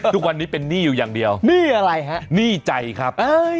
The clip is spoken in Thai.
ทุกวันนี้เป็นหนี้อยู่อย่างเดียวหนี้อะไรฮะหนี้ใจครับเอ้ย